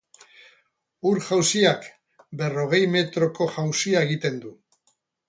Ur-jauziak berrogei metroko jauzia egiten du.